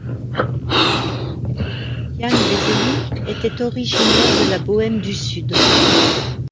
Jan Veselý était originaire de la Bohême du sud.